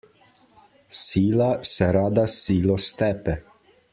Sila se rada s silo stepe.